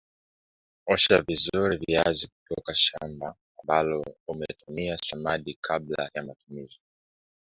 Osha vizuri viazi kutoka shamba ambalo umetumia samadi kabla ya matumizi